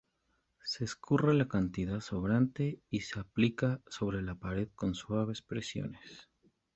Se escurre la cantidad sobrante y se aplica sobre la pared con suaves presiones.